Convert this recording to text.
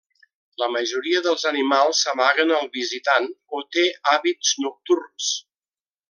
La majoria dels animals s'amaguen al visitant o té hàbits nocturns.